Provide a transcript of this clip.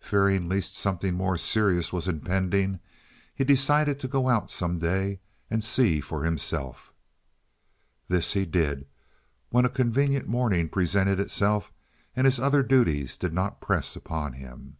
Fearing lest something more serious was impending, he decided to go out some day and see for himself. This he did when a convenient morning presented itself and his other duties did not press upon him.